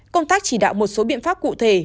công tác chỉ đạo một số biện pháp cụ thể